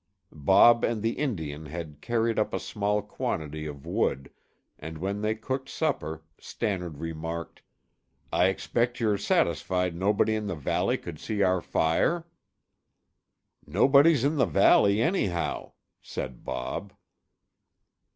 Bob and the Indian had carried up a small quantity of wood and when they cooked supper Stannard remarked: "I expect you're satisfied nobody in the valley could see our fire?" "Nobody's in the valley, anyhow," said Bob.